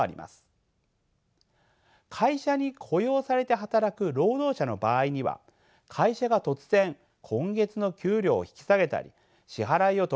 会社に雇用されて働く労働者の場合には会社が突然今月の給料を引き下げたり支払いを止めたりすることはできません。